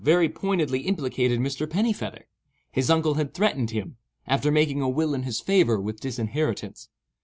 very pointedly implicated Mr. Pennifeather. His uncle had threatened him, after making a will in his favour, with disinheritance.